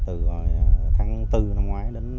từ tháng bốn năm ngoái đến